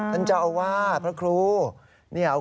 ท่านเจ้าอาวาสพระครู